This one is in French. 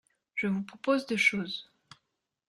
Je vous propose deux choses.